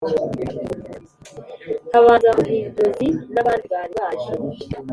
habanza muhimuzi nabandi bari baje